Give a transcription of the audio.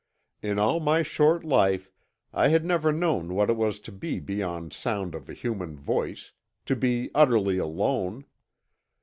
In all my short life I had never known what it was to be beyond sound of a human voice, to be utterly alone.